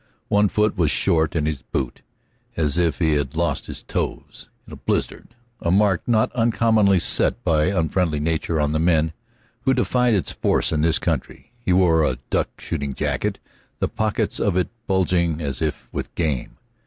One foot was short in his boot, as if he had lost his toes in a blizzard, a mark not uncommonly set by unfriendly nature on the men who defied its force in that country. He wore a duck shooting jacket, the pockets of it bulging as if with game.